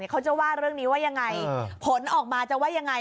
เขาจะว่าเรื่องนี้ว่ายังไงผลออกมาจะว่ายังไง